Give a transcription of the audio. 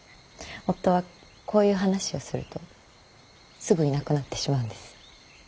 夫はこういう話をするとすぐいなくなってしまうんです。